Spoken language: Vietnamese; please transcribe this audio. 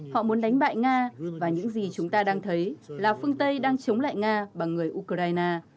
họ muốn đánh bại nga và những gì chúng ta đang thấy là phương tây đang chống lại nga bằng người ukraine